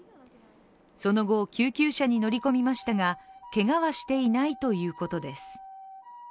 その後、救急車に乗り込みましたが、けがはしていないということです。